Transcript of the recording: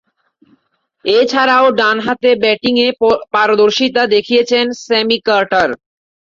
এছাড়াও, ডানহাতে ব্যাটিংয়ে পারদর্শীতা দেখিয়েছেন স্যামি কার্টার।